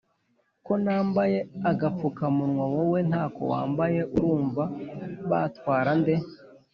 Ko nambaye agapfuka munwa wowe ntako wambaye urumva batwarande?